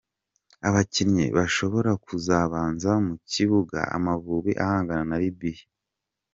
Abakinnyi bashobora kubanza mu kibuga Amavubi ahangana na Libya.